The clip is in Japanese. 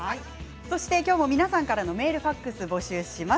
今日も皆さんからのメール、ファックスを募集します。